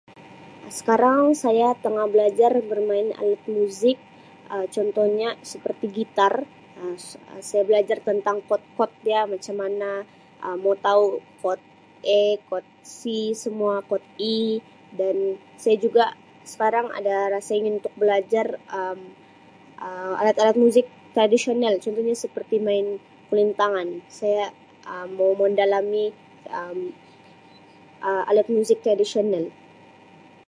Sekarang saya tengah belajar bermain alat muzik Um contohnya seperti gitar Um saya belajar tentang kod-kod dia macam mana mau tau kod A kod C semua kod E dan saya juga sekarang ada rasa ingin untuk belajar Um alat-alat muzik tradisional contohnya seperti main kulintangan saya Um mau mendalami Um alat muzik tradisional.